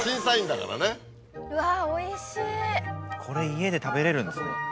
これ家で食べれるんですね。